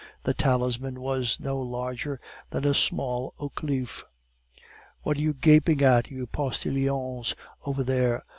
The talisman was no larger than a small oak leaf. "What are you gaping at, you postilions over there?